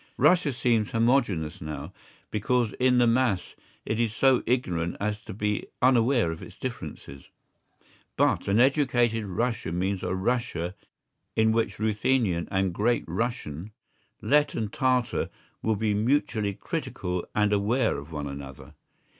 Russia seems homogeneous now, because in the mass it is so ignorant as to be unaware of its differences; but an educated Russia means a Russia in which Ruthenian and Great Russian, Lett and Tartar will be mutually critical and aware of one another.